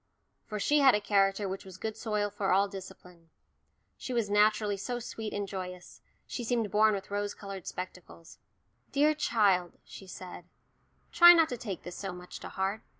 For she had a character which was good soil for all discipline. She was naturally so sweet and joyous she seemed born with rose coloured spectacles. "Dear child," she said, "try not to take this so much to heart.